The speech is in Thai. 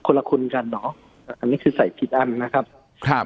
ละคุณกันเหรออันนี้คือใส่กี่อันนะครับครับ